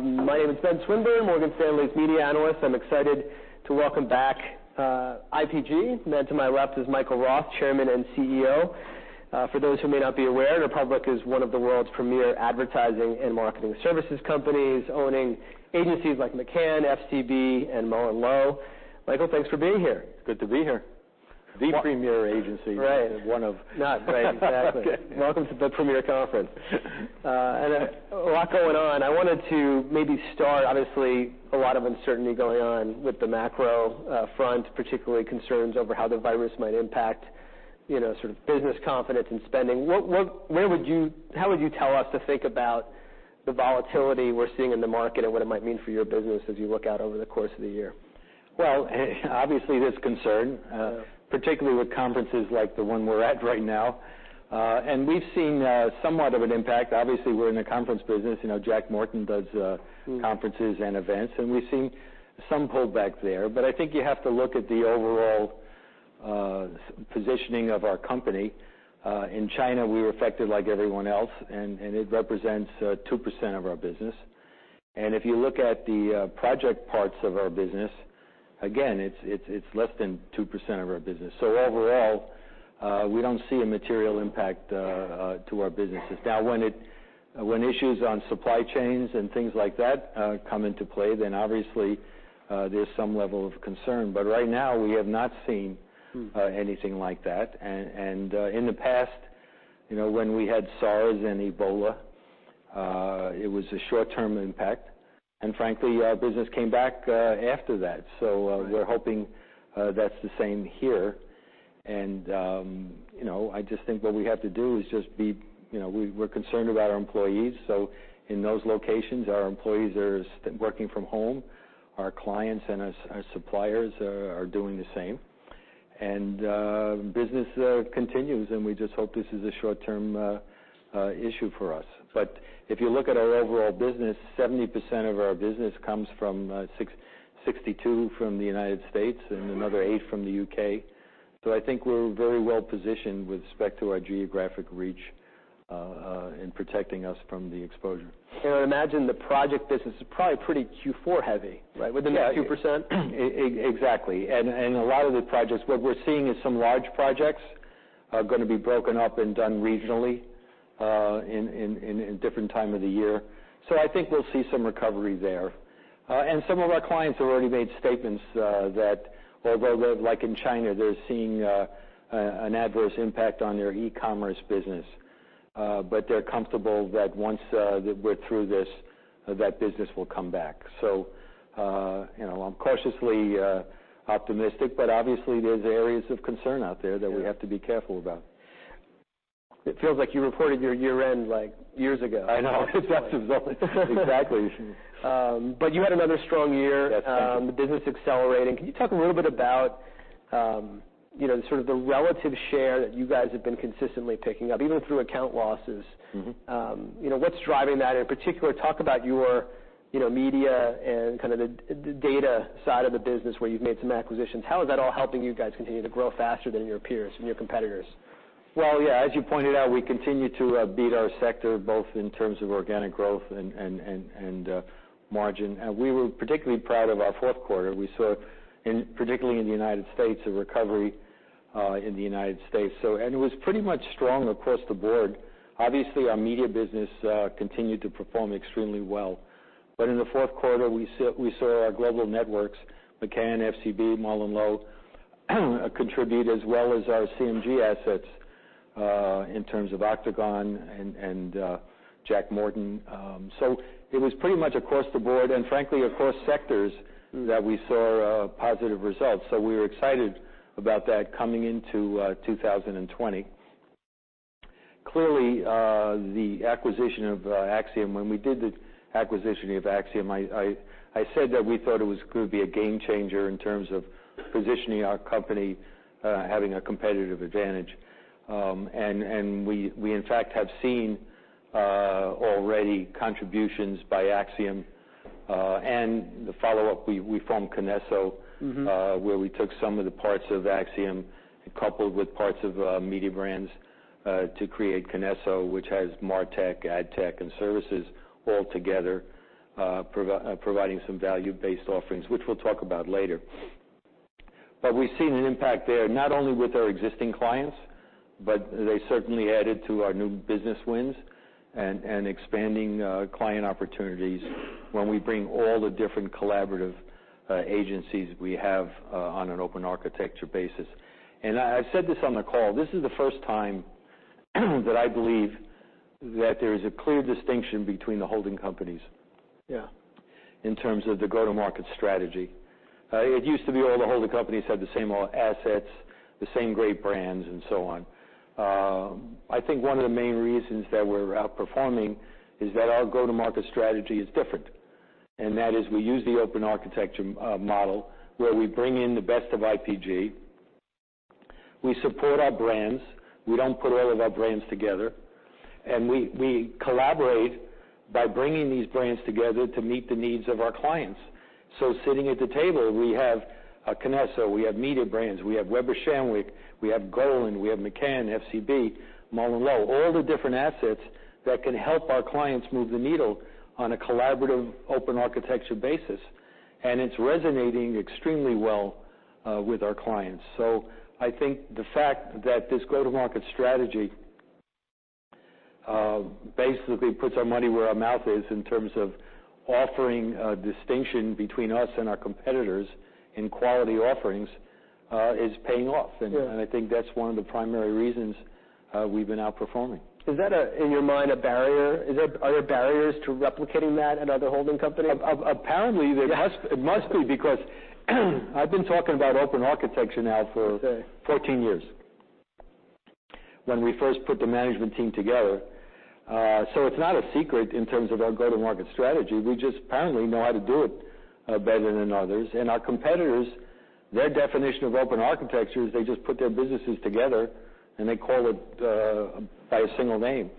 My name is Ben Swinburne, Morgan Stanley's media analyst. I'm excited to welcome back IPG. Man to my left is Michael Roth, Chairman and CEO. For those who may not be aware, Interpublic is one of the world's premier advertising and marketing services companies, owning agencies like McCann, FCB, and MullenLowe. Michael, thanks for being here. Good to be here. The premier agency. Right. One of. Not great, exactly. Welcome to the premier conference and a lot going on. I wanted to maybe start, obviously, a lot of uncertainty going on with the macro front, particularly concerns over how the virus might impact sort of business confidence and spending. Where would you, how would you tell us to think about the volatility we're seeing in the market and what it might mean for your business as you look out over the course of the year? Obviously, there's concern, particularly with conferences like the one we're at right now. We've seen somewhat of an impact. Obviously, we're in a conference business. Jack Morton does conferences and events. We've seen some pullback there. But I think you have to look at the overall positioning of our company. In China, we were affected like everyone else. It represents 2% of our business. If you look at the project parts of our business, again, it's less than 2% of our business. Overall, we don't see a material impact to our businesses. Now, when issues on supply chains and things like that come into play, then obviously, there's some level of concern. But right now, we have not seen anything like that. In the past, when we had SARS and Ebola, it was a short-term impact. Frankly, our business came back after that. We're hoping that's the same here. I just think what we have to do is just be. We're concerned about our employees. In those locations, our employees are working from home. Our clients and our suppliers are doing the same. Business continues. We just hope this is a short-term issue for us. If you look at our overall business, 70% of our business comes from the United States and another 8% from the U.K. I think we're very well positioned with respect to our geographic reach in protecting us from the exposure. I imagine the project business is probably pretty Q4 heavy, right? Within that 2%? Exactly. And a lot of the projects, what we're seeing is some large projects are going to be broken up and done regionally in a different time of the year. So I think we'll see some recovery there. And some of our clients have already made statements that, although they're like in China, they're seeing an adverse impact on their e-commerce business. But they're comfortable that once we're through this, that business will come back. So I'm cautiously optimistic. But obviously, there's areas of concern out there that we have to be careful about. It feels like you reported your year-end like years ago. I know. Exactly. But you had another strong year. Yes, thank you. The business accelerating. Can you talk a little bit about sort of the relative share that you guys have been consistently picking up, even through account losses? What's driving that? And in particular, talk about your media and kind of the data side of the business where you've made some acquisitions. How is that all helping you guys continue to grow faster than your peers and your competitors? Yeah. As you pointed out, we continue to beat our sector, both in terms of organic growth and margin. We were particularly proud of our fourth quarter. We saw, particularly in the United States, a recovery in the United States. It was pretty much strong across the board. Obviously, our media business continued to perform extremely well. But in the fourth quarter, we saw our global networks, McCann, FCB, MullenLowe, contribute as well as our CMG assets in terms of Octagon and Jack Morton. It was pretty much across the board and frankly, across sectors that we saw positive results. We were excited about that coming into 2020. Clearly, the acquisition of Acxiom, when we did the acquisition of Acxiom, I said that we thought it was going to be a game changer in terms of positioning our company having a competitive advantage. And we, in fact, have seen already contributions by Acxiom. And the follow-up, we formed Kinesso, where we took some of the parts of Acxiom coupled with parts of Mediabrands to create Kinesso, which has MarTech, AdTech, and services all together, providing some value-based offerings, which we'll talk about later. But we've seen an impact there, not only with our existing clients, but they certainly added to our new business wins and expanding client opportunities when we bring all the different collaborative agencies we have on an open architecture basis. And I've said this on the call. This is the first time that I believe that there is a clear distinction between the holding companies in terms of the go-to-market strategy. It used to be all the holding companies had the same assets, the same great brands, and so on. I think one of the main reasons that we're outperforming is that our go-to-market strategy is different, and that is we use the open architecture model where we bring in the best of IPG. We support our brands. We don't put all of our brands together, and we collaborate by bringing these brands together to meet the needs of our clients, so sitting at the table, we have Kinesso, we have Mediabrands, we have Weber Shandwick, we have Golin, we have McCann, FCB, MullenLowe, all the different assets that can help our clients move the needle on a collaborative open architecture basis, and it's resonating extremely well with our clients, so I think the fact that this go-to-market strategy basically puts our money where our mouth is in terms of offering distinction between us and our competitors in quality offerings is paying off. I think that's one of the primary reasons we've been outperforming. Is that, in your mind, a barrier? Are there barriers to replicating that at other holding companies? Apparently, there must be, because I've been talking about open architecture now for 14 years when we first put the management team together, so it's not a secret in terms of our go-to-market strategy. We just apparently know how to do it better than others, and our competitors' definition of open architecture is they just put their businesses together and they call it by a single name,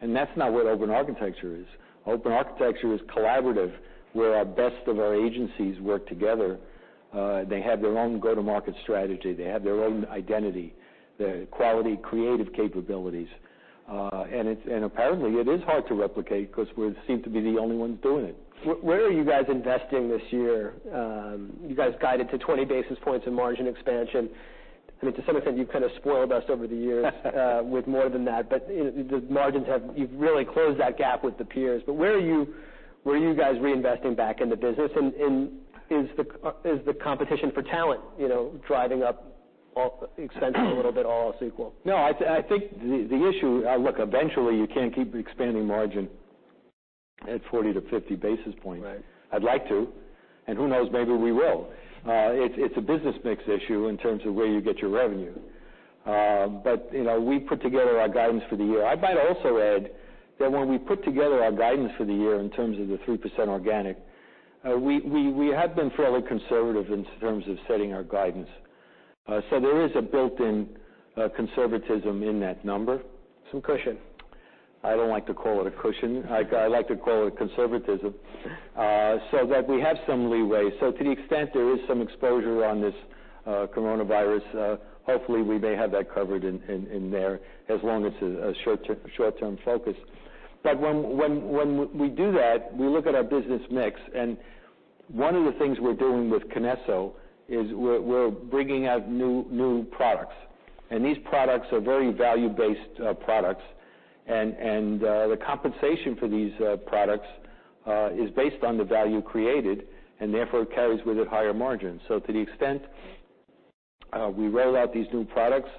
and that's not what open architecture is. Open architecture is collaborative where our best of our agencies work together. They have their own go-to-market strategy. They have their own identity, their quality, creative capabilities, and apparently, it is hard to replicate because we seem to be the only ones doing it. Where are you guys investing this year? You guys guided to 20 basis points in margin expansion. I mean, to some extent, you've kind of spoiled us over the years with more than that. But the margins have really closed that gap with the peers. But where are you guys reinvesting back in the business? And is the competition for talent driving up expenses a little bit all else equal? No. I think the issue, look, eventually you can't keep expanding margin at 40-50 basis points. I'd like to. And who knows? Maybe we will. It's a business mix issue in terms of where you get your revenue. But we put together our guidance for the year. I might also add that when we put together our guidance for the year in terms of the 3% organic, we have been fairly conservative in terms of setting our guidance. So there is a built-in conservatism in that number. Some cushion. I don't like to call it a cushion. I like to call it conservatism so that we have some leeway. So to the extent there is some exposure on this coronavirus, hopefully, we may have that covered in there as long as it's a short-term focus. But when we do that, we look at our business mix. And one of the things we're doing with Kinesso is we're bringing out new products. And these products are very value-based products. And the compensation for these products is based on the value created and therefore carries with it higher margins. So to the extent we roll out these new products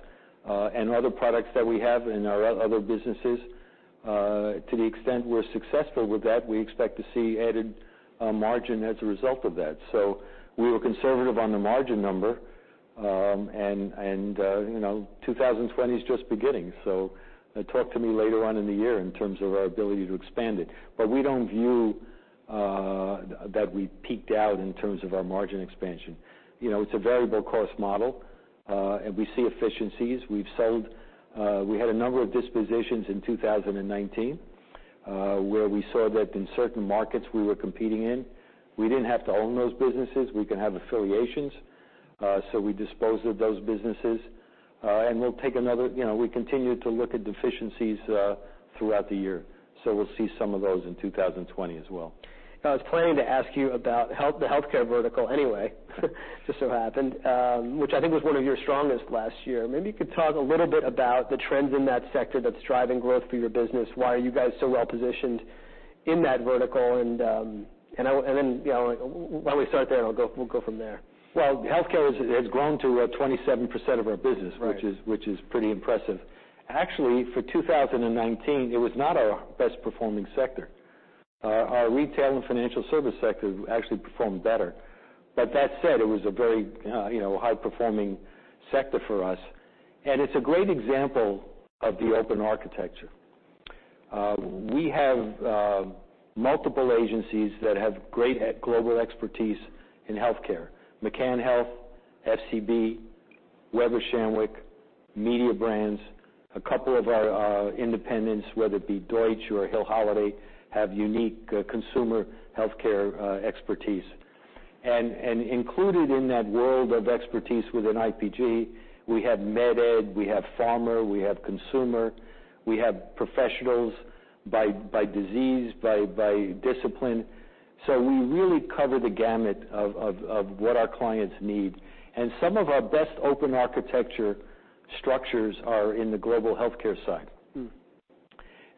and other products that we have in our other businesses, to the extent we're successful with that, we expect to see added margin as a result of that. So we were conservative on the margin number. And 2020 is just beginning. So talk to me later on in the year in terms of our ability to expand it. But we don't view that we peaked out in terms of our margin expansion. It's a variable cost model. And we see efficiencies. We had a number of dispositions in 2019 where we saw that in certain markets we were competing in, we didn't have to own those businesses. We could have affiliations. So we disposed of those businesses. And we'll take another. We continue to look at deficiencies throughout the year. So we'll see some of those in 2020 as well. I was planning to ask you about the healthcare vertical anyway, just so happened, which I think was one of your strongest last year. Maybe you could talk a little bit about the trends in that sector that's driving growth for your business, why are you guys so well positioned in that vertical? And then why don't we start there and we'll go from there. Healthcare has grown to 27% of our business, which is pretty impressive. Actually, for 2019, it was not our best-performing sector. Our retail and financial service sector actually performed better, but that said, it was a very high-performing sector for us, and it's a great example of the open architecture. We have multiple agencies that have great global expertise in healthcare: McCann Health, FCB, Weber Shandwick, Mediabrands. A couple of our independents, whether it be Deutsch or Hill Holliday, have unique consumer healthcare expertise, and included in that world of expertise within IPG, we have MedEd, we have Pharma, we have Consumer, we have Professionals by disease, by discipline, so we really cover the gamut of what our clients need, and some of our best open architecture structures are in the global healthcare side.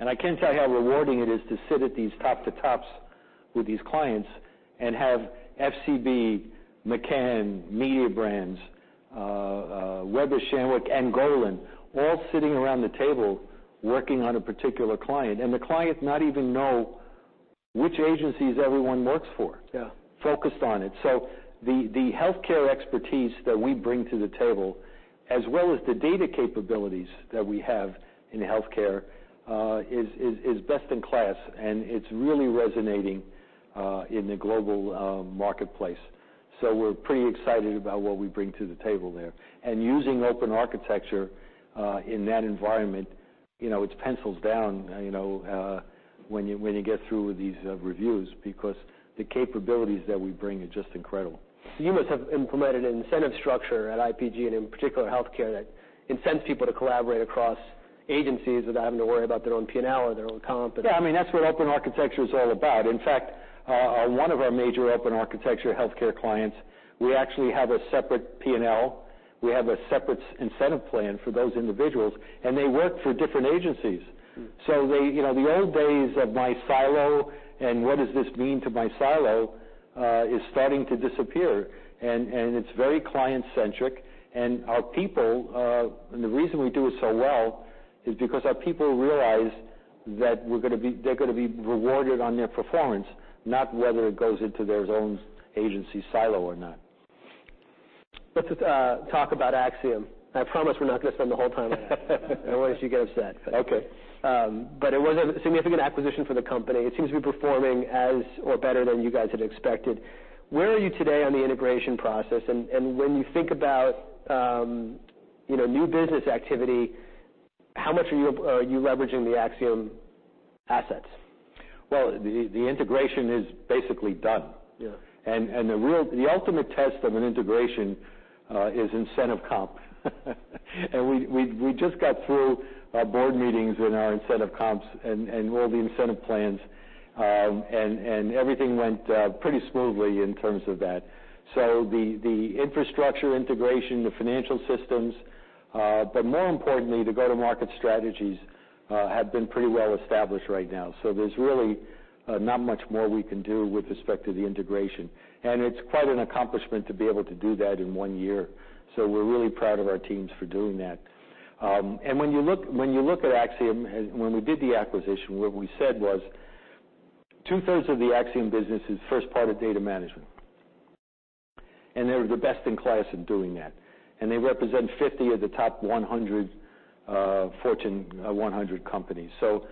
I can't tell you how rewarding it is to sit at these top-to-tops with these clients and have FCB, McCann, Mediabrands, Weber Shandwick, and Golin all sitting around the table working on a particular client. The clients don't even know which agencies everyone works for, focused on it. The healthcare expertise that we bring to the table, as well as the data capabilities that we have in healthcare, is best in class. It's really resonating in the global marketplace. We're pretty excited about what we bring to the table there. Using open architecture in that environment, it pencils down when you get through these reviews because the capabilities that we bring are just incredible. So you must have implemented an incentive structure at IPG and in particular healthcare that incents people to collaborate across agencies without having to worry about their own P&L or their own comp. Yeah. I mean, that's what open architecture is all about. In fact, one of our major open architecture healthcare clients, we actually have a separate P&L. We have a separate incentive plan for those individuals. And they work for different agencies. So the old days of my silo and what does this mean to my silo is starting to disappear. And it's very client-centric. And our people, and the reason we do it so well is because our people realize that they're going to be rewarded on their performance, not whether it goes into their own agency silo or not. Let's talk about Acxiom. I promise we're not going to spend the whole time on that. I don't want to make you get upset. Okay. But it was a significant acquisition for the company. It seems to be performing as or better than you guys had expected. Where are you today on the integration process? And when you think about new business activity, how much are you leveraging the Acxiom assets? The integration is basically done. And the ultimate test of an integration is incentive comp. And we just got through board meetings in our incentive comps and all the incentive plans. And everything went pretty smoothly in terms of that. So the infrastructure integration, the financial systems, but more importantly, the go-to-market strategies have been pretty well established right now. So there's really not much more we can do with respect to the integration. And it's quite an accomplishment to be able to do that in one year. So we're really proud of our teams for doing that. And when you look at Acxiom, when we did the acquisition, what we said was two-thirds of the Acxiom business is first-party data management. And they're the best in class in doing that. And they represent 50 of the top 100 Fortune 100 companies. So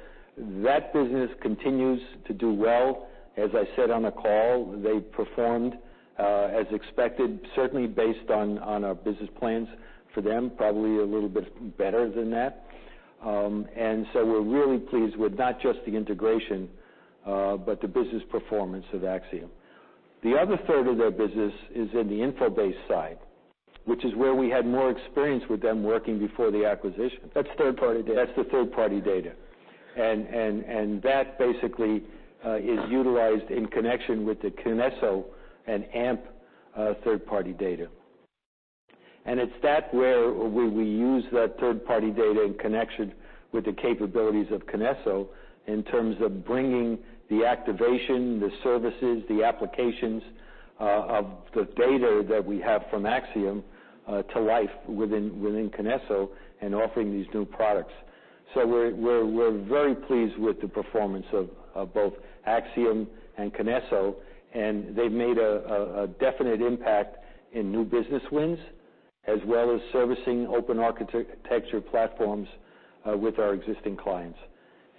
that business continues to do well. As I said on the call, they performed as expected, certainly based on our business plans for them, probably a little bit better than that. And so we're really pleased with not just the integration, but the business performance of Acxiom. The other third of their business is in the InfoBase side, which is where we had more experience with them working before the acquisition. That's third-party data. That's the third-party data, and that basically is utilized in connection with the Kinesso and Acxiom third-party data, and it's that where we use that third-party data in connection with the capabilities of Kinesso in terms of bringing the activation, the services, the applications of the data that we have from Acxiom to life within Kinesso and offering these new products, so we're very pleased with the performance of both Acxiom and Kinesso, and they've made a definite impact in new business wins as well as servicing open architecture platforms with our existing clients,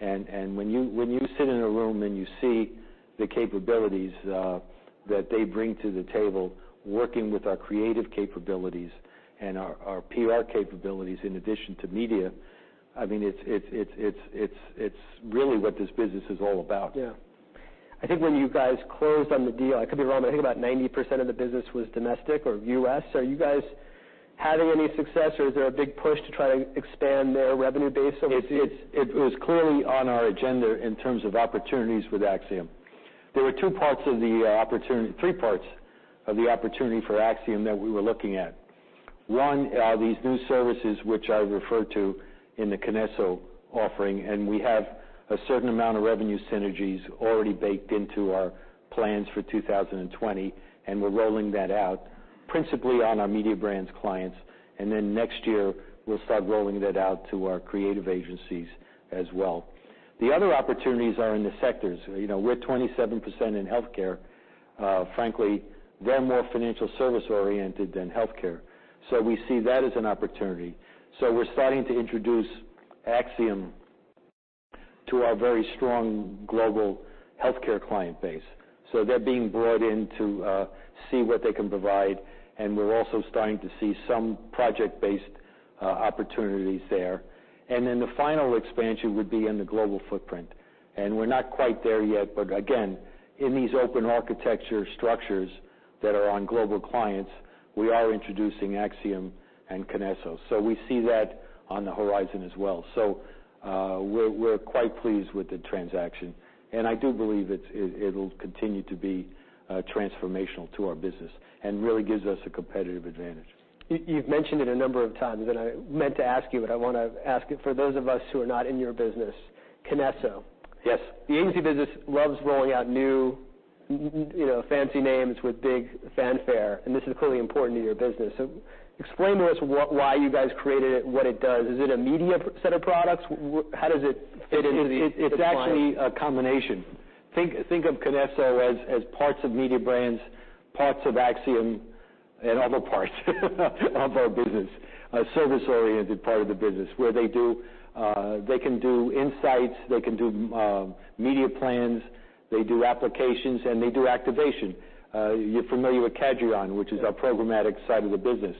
and when you sit in a room and you see the capabilities that they bring to the table, working with our creative capabilities and our PR capabilities in addition to media, I mean, it's really what this business is all about. Yeah. I think when you guys closed on the deal, I could be wrong, but I think about 90% of the business was domestic or US. Are you guys having any success, or is there a big push to try to expand their revenue base over to? It was clearly on our agenda in terms of opportunities with Acxiom. There were two parts of the opportunity three parts of the opportunity for Acxiom that we were looking at. One are these new services, which I referred to in the Kinesso offering. And we have a certain amount of revenue synergies already baked into our plans for 2020. And we're rolling that out principally on our Mediabrands clients. And then next year, we'll start rolling that out to our creative agencies as well. The other opportunities are in the sectors. We're 27% in healthcare. Frankly, they're more financial service-oriented than healthcare. So we see that as an opportunity. So we're starting to introduce Acxiom to our very strong global healthcare client base. So they're being brought in to see what they can provide. And we're also starting to see some project-based opportunities there. And then the final expansion would be in the global footprint. And we're not quite there yet. But again, in these open architecture structures that are on global clients, we are introducing Acxiom and Kinesso. So we see that on the horizon as well. So we're quite pleased with the transaction. And I do believe it'll continue to be transformational to our business and really gives us a competitive advantage. You've mentioned it a number of times, and I meant to ask you, but I want to ask it for those of us who are not in your business. Kinesso. Yes. The agency business loves rolling out new fancy names with big fanfare. And this is clearly important to your business. So explain to us why you guys created it, what it does. Is it a media set of products? How does it fit into the? It's actually a combination. Think of Kinesso as parts of Mediabrands, parts of Acxiom, and other parts of our business, a service-oriented part of the business where they can do insights, they can do media plans, they do applications, and they do activation. You're familiar with Cadreon, which is our programmatic side of the business.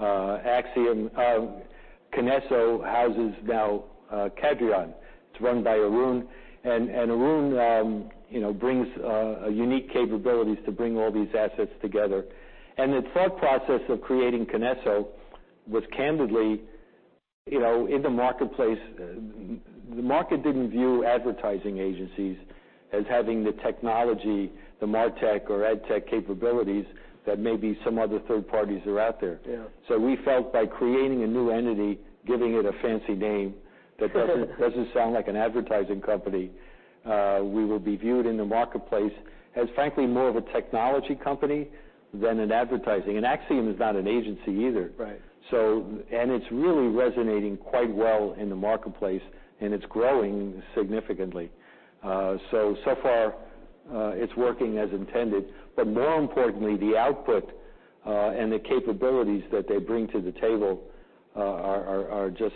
Kinesso houses now Cadreon. It's run by Arun. And Arun brings unique capabilities to bring all these assets together. And the thought process of creating Kinesso was candidly in the marketplace. The market didn't view advertising agencies as having the technology, the MarTech or AdTech capabilities that maybe some other third parties are out there. So we felt by creating a new entity, giving it a fancy name that doesn't sound like an advertising company, we will be viewed in the marketplace as frankly more of a technology company than an advertising. And Acxiom is not an agency either. And it's really resonating quite well in the marketplace. And it's growing significantly. So far, it's working as intended. But more importantly, the output and the capabilities that they bring to the table are just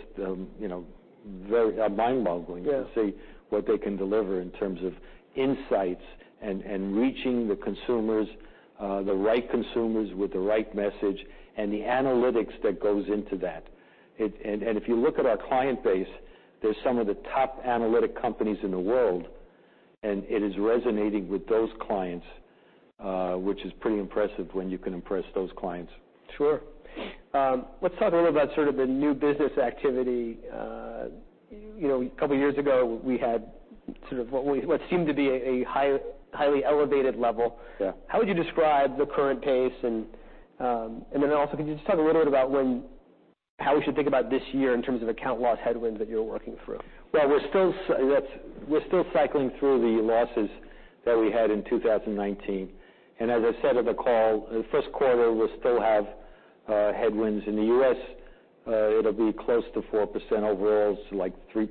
mind-boggling to see what they can deliver in terms of insights and reaching the consumers, the right consumers with the right message, and the analytics that goes into that. And if you look at our client base, there's some of the top analytic companies in the world. And it is resonating with those clients, which is pretty impressive when you can impress those clients. Sure. Let's talk a little about sort of the new business activity. A couple of years ago, we had sort of what seemed to be a highly elevated level. How would you describe the current pace? And then also, could you just talk a little bit about how we should think about this year in terms of account loss headwinds that you're working through? Well, we're still cycling through the losses that we had in 2019. And as I said on the call, the first quarter will still have headwinds. In the U.S., it'll be close to 4% overall, so like 3%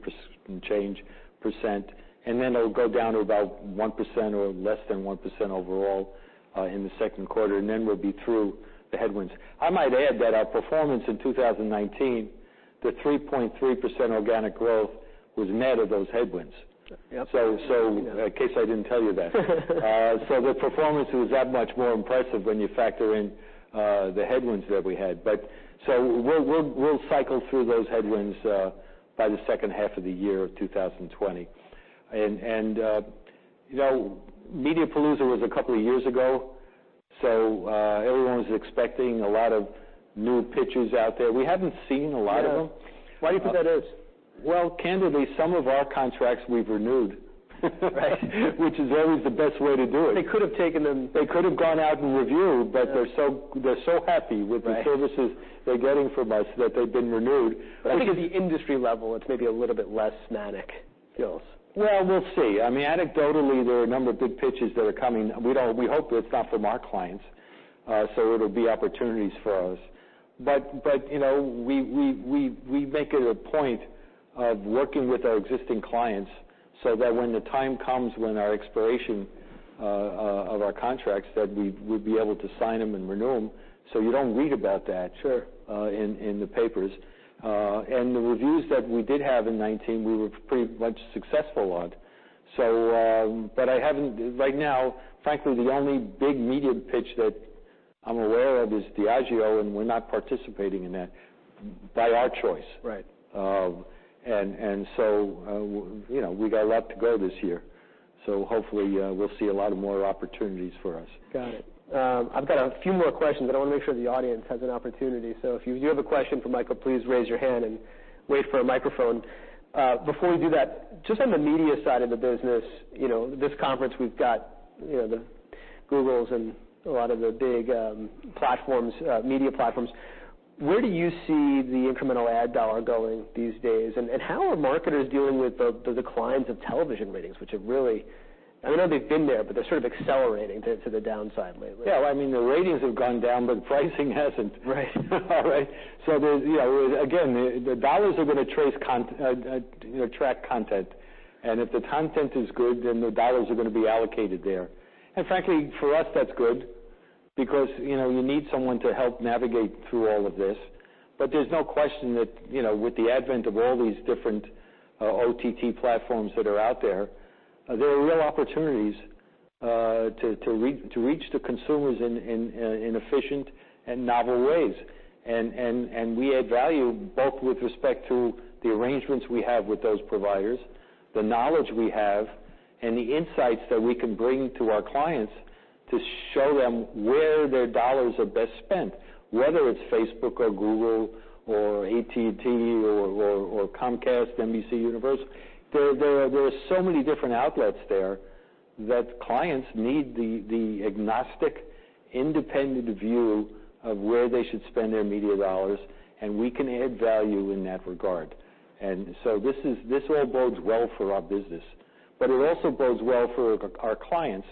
and change percent. And then it'll go down to about 1% or less than 1% overall in the second quarter. And then we'll be through the headwinds. I might add that our performance in 2019, the 3.3% organic growth was net of those headwinds. So in case I didn't tell you that. So the performance was that much more impressive when you factor in the headwinds that we had. So we'll cycle through those headwinds by the second half of the year of 2020. And Mediapalooza was a couple of years ago. So everyone was expecting a lot of new pitches out there. We haven't seen a lot of them. Why do you think that is? Well, candidly, some of our contracts we've renewed, which is always the best way to do it. They could have taken them. They could have gone out and reviewed. But they're so happy with the services they're getting from us that they've been renewed. I think at the industry level, it's maybe a little bit less manic deals. Well, we'll see. I mean, anecdotally, there are a number of good pitches that are coming. We hope it's not from our clients. So it'll be opportunities for us. But we make it a point of working with our existing clients so that when the time comes when our expiration of our contracts, that we would be able to sign them and renew them. So you don't read about that in the papers. And the reviews that we did have in 2019, we were pretty much successful on. But right now, frankly, the only big media pitch that I'm aware of is Diageo. And we're not participating in that by our choice. And so we got a lot to go this year. So hopefully, we'll see a lot of more opportunities for us. Got it. I've got a few more questions. I do want to make sure the audience has an opportunity. So if you have a question for Michael, please raise your hand and wait for a microphone. Before we do that, just on the media side of the business, this conference, we've got the Google and a lot of the big media platforms. Where do you see the incremental ad dollar going these days? And how are marketers dealing with the declines of television ratings, which have really. I know they've been there, but they're sort of accelerating to the downside lately. Yeah. Well, I mean, the ratings have gone down, but pricing hasn't. So again, the dollars are going to track content. And if the content is good, then the dollars are going to be allocated there. And frankly, for us, that's good because you need someone to help navigate through all of this. But there's no question that with the advent of all these different OTT platforms that are out there, there are real opportunities to reach the consumers in efficient and novel ways. And we add value both with respect to the arrangements we have with those providers, the knowledge we have, and the insights that we can bring to our clients to show them where their dollars are best spent, whether it's Facebook or Google or AT&T or Comcast, NBCUniversal. There are so many different outlets there that clients need the agnostic, independent view of where they should spend their media dollars. And we can add value in that regard. And so this all bodes well for our business. But it also bodes well for our clients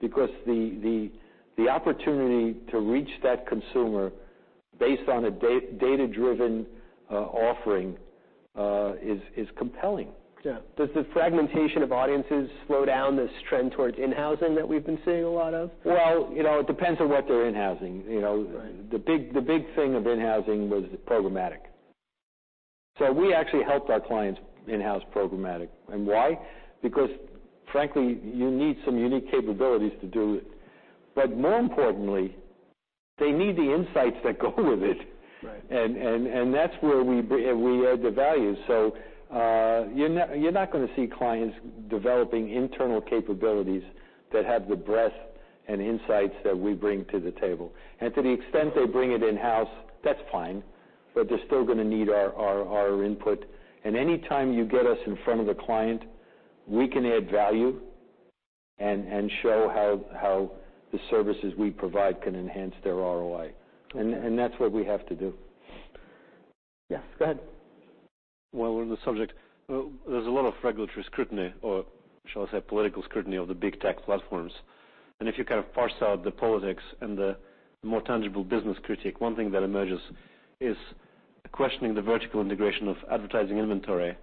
because the opportunity to reach that consumer based on a data-driven offering is compelling. Does the fragmentation of audiences slow down this trend towards in-housing that we've been seeing a lot of? Well, it depends on what they're in-housing. The big thing of in-housing was programmatic. So we actually helped our clients in-house programmatic. And why? Because frankly, you need some unique capabilities to do it. But more importantly, they need the insights that go with it. And that's where we add the value. So you're not going to see clients developing internal capabilities that have the breadth and insights that we bring to the table. And to the extent they bring it in-house, that's fine. But they're still going to need our input. And anytime you get us in front of the client, we can add value and show how the services we provide can enhance their ROI. And that's what we have to do. Yes. Go ahead. While we're on the subject, there's a lot of regulatory scrutiny or shall I say political scrutiny of the big tech platforms. And if you kind of parse out the politics and the more tangible business critique, one thing that emerges is questioning the vertical integration of advertising inventory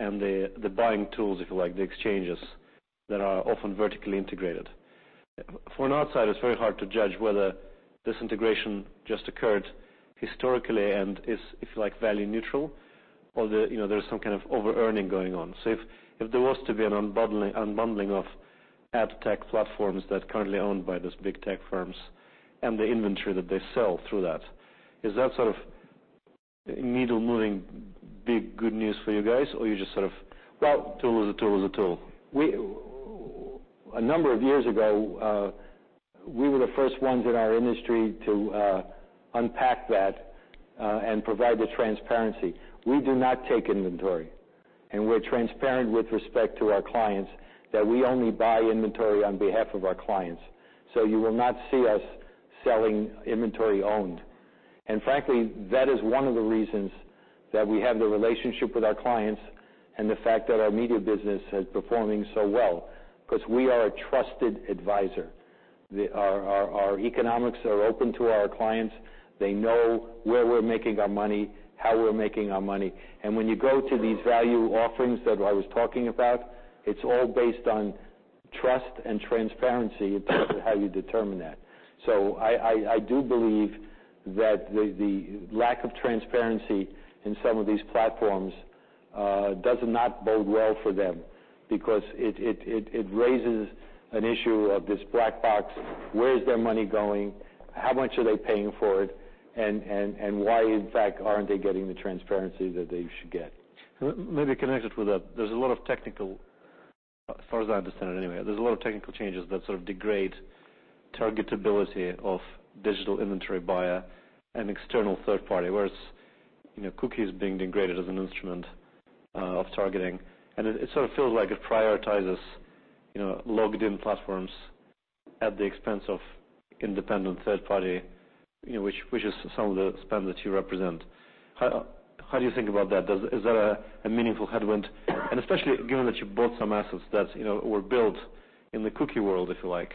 and the buying tools, if you like, the exchanges that are often vertically integrated. For an outsider, it's very hard to judge whether this integration just occurred historically and is, if you like, value neutral or there's some kind of over-earning going on. So if there was to be an unbundling of ad tech platforms that are currently owned by these big tech firms and the inventory that they sell through that, is that sort of needle-moving big good news for you guys or you just sort of, well, tool is a tool is a tool? A number of years ago, we were the first ones in our industry to unpack that and provide the transparency. We do not take inventory. And we're transparent with respect to our clients that we only buy inventory on behalf of our clients. So you will not see us selling inventory owned. And frankly, that is one of the reasons that we have the relationship with our clients and the fact that our media business is performing so well because we are a trusted advisor. Our economics are open to our clients. They know where we're making our money, how we're making our money. And when you go to these value offerings that I was talking about, it's all based on trust and transparency. It's how you determine that. I do believe that the lack of transparency in some of these platforms does not bode well for them because it raises an issue of this black box. Where is their money going? How much are they paying for it? And why, in fact, aren't they getting the transparency that they should get? Maybe connect it with that. There's a lot of technical, as far as I understand it anyway, there's a lot of technical changes that sort of degrade targetability of digital inventory by an external third party, whereas cookies being degraded as an instrument of targeting, and it sort of feels like it prioritizes logged-in platforms at the expense of independent third party, which is some of the spend that you represent. How do you think about that? Is that a meaningful headwind, and especially given that you bought some assets that were built in the cookie world, if you like.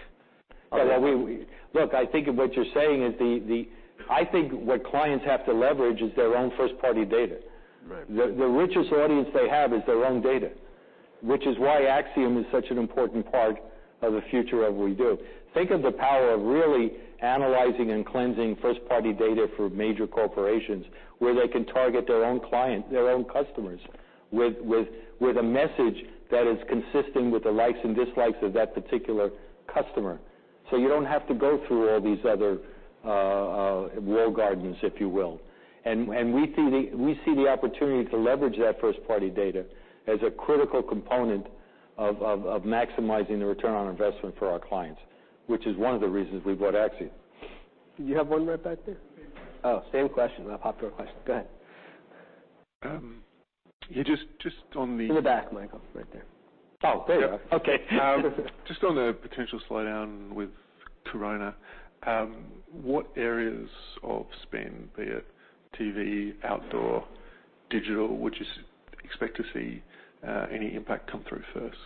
Look, I think what you're saying is the, I think what clients have to leverage is their own first-party data. The richest audience they have is their own data, which is why Acxiom is such an important part of the future of what we do. Think of the power of really analyzing and cleansing first-party data for major corporations where they can target their own clients, their own customers, with a message that is consistent with the likes and dislikes of that particular customer. So you don't have to go through all these other walled gardens, if you will, and we see the opportunity to leverage that first-party data as a critical component of maximizing the return on investment for our clients, which is one of the reasons we bought Acxiom. Do you have one right back there? Oh, same question. A popular question. Go ahead. Just on the. In the back, Michael, right there. Oh, there you are. Just on the potential slowdown with Corona, what areas of spend, be it TV, outdoor, digital, would you expect to see any impact come through first?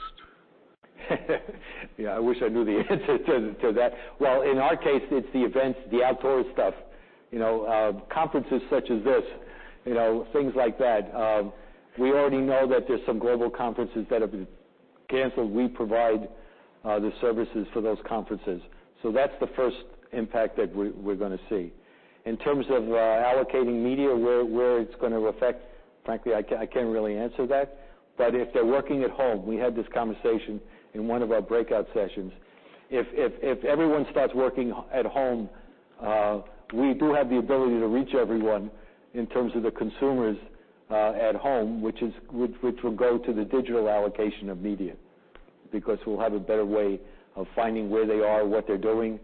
Yeah. I wish I knew the answer to that. In our case, it's the events, the outdoor stuff, conferences such as this, things like that. We already know that there's some global conferences that have been canceled. We provide the services for those conferences. So that's the first impact that we're going to see. In terms of allocating media, where it's going to affect, frankly, I can't really answer that. But if they're working at home, we had this conversation in one of our breakout sessions, if everyone starts working at home, we do have the ability to reach everyone in terms of the consumers at home, which will go to the digital allocation of media because we'll have a better way of finding where they are, what they're doing,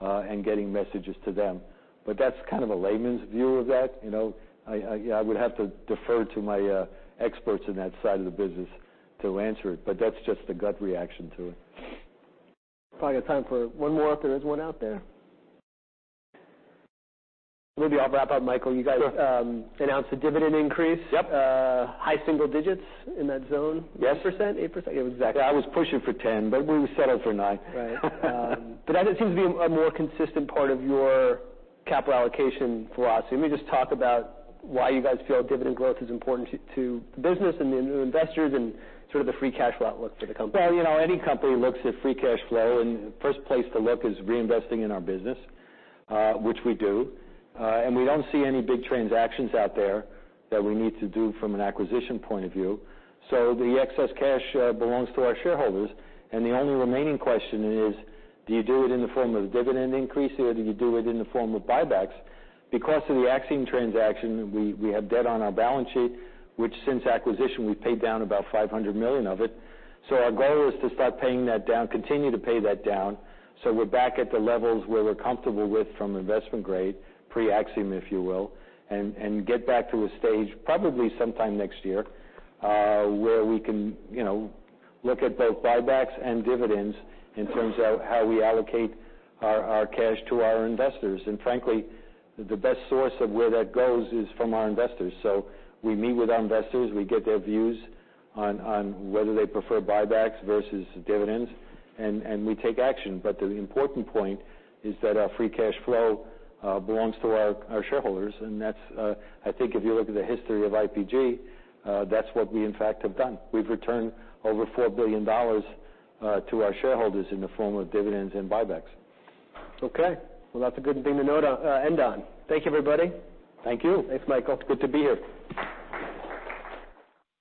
and getting messages to them. But that's kind of a layman's view of that. I would have to defer to my experts in that side of the business to answer it. But that's just the gut reaction to it. Probably got time for one more if there is one out there. Maybe I'll wrap up, Michael. You guys announced a dividend increase. High single digits in that zone? Yes. 8%? 8%? Exactly. Yeah. I was pushing for 10, but we settled for nine. Right. But that seems to be a more consistent part of your capital allocation philosophy. Let me just talk about why you guys feel dividend growth is important to the business and the investors and sort of the free cash flow outlook for the company. Any company looks at free cash flow, and the first place to look is reinvesting in our business, which we do. We don't see any big transactions out there that we need to do from an acquisition point of view. The excess cash belongs to our shareholders. The only remaining question is, do you do it in the form of dividend increase or do you do it in the form of buybacks? Because of the Acxiom transaction, we have debt on our balance sheet, which since acquisition, we've paid down about $500 million of it. Our goal is to start paying that down, continue to pay that down. We're back at the levels where we're comfortable with from investment grade, pre-Acxiom, if you will, and get back to a stage probably sometime next year where we can look at both buybacks and dividends in terms of how we allocate our cash to our investors. And frankly, the best source of where that goes is from our investors. So we meet with our investors. We get their views on whether they prefer buybacks versus dividends. And we take action. But the important point is that our free cash flow belongs to our shareholders. And I think if you look at the history of IPG, that's what we, in fact, have done. We've returned over $4 billion to our shareholders in the form of dividends and buybacks. Okay. Well, that's a good thing to end on. Thank you, everybody. Thank you. Thanks, Michael. Good to be here.